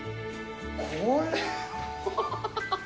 これは。